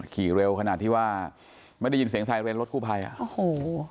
ขี่เร็วขนาดที่ว่าไม่ได้ยินเสียงไซเรนรถกู้ภัยอ่ะโอ้โห